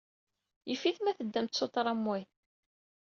Yif-it ma teddamt s uṭramway.